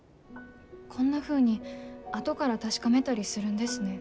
こんなふうに後から確かめたりするんですね。